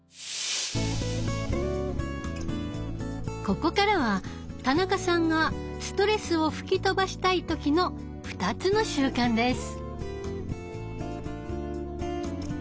ここからは田中さんがストレスを吹き飛ばしたい時の２つの習慣です。